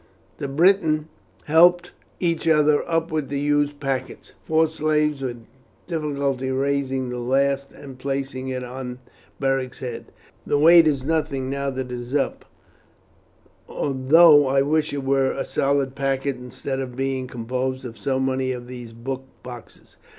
The Britons helped each other up with the huge packets, four slaves with difficulty raising the last and placing it on Beric's head. "The weight is nothing now it is up," he said, "though I wish it were a solid packet instead of being composed of so many of these book boxes."